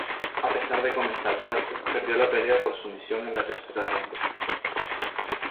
A pesar de comenzar fuerte, perdió la pelea por sumisión en la tercera ronda.